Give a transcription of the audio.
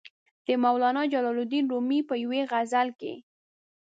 د مولانا جلال الدین رومي په یوې غزل کې.